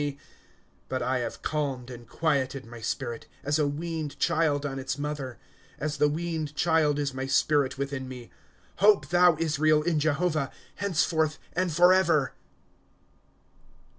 ^ But I have calmed and quieted my spirit, As a weaned child on its mother ; As the weaned child is ray spirit within me. ^ Hope thou, Israel, in Jehovah, Henceforth and forever.